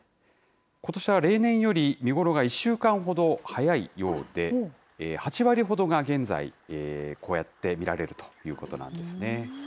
ことしは例年より見頃が１週間ほど早いようで、８割ほどが現在、こうやって見られるということなんですね。